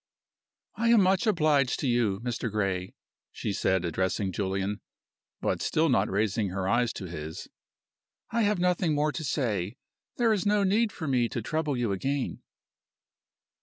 "I am much obliged to you, Mr. Gray," she said, addressing Julian (but still not raising her eyes to his). "I have nothing more to say. There is no need for me to trouble you again."